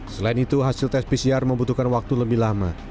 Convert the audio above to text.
selain itu hasil tes pcr membutuhkan waktu lebih lama